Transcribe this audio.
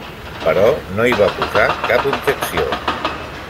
Però no hi va posar cap objecció.